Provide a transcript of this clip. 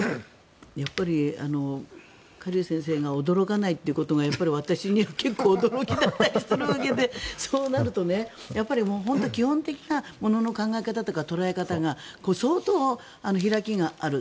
やっぱりカ・リュウ先生が驚かないということが私には結構驚きだったりするわけでそうなると、やっぱり本当に基本的なものの考え方とか捉え方が相当開きがある。